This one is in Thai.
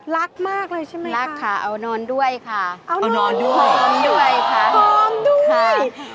รักมากเลยใช่ไหมคะค่ะเอานอนด้วยค่ะพร้อมด้วยค่ะ